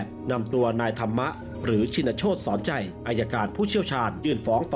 ก็มีสมัครจากการที่ห้ายผิด